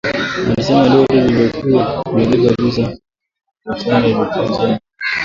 Alisema lori lililokuwa limebeba vifaa vya msaada lilikuwa njiani kwenda